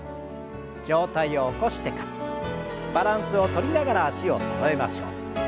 上体を起こしてからバランスをとりながら脚をそろえましょう。